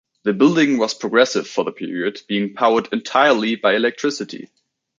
The building was progressive for the period, being powered entirely by electricity.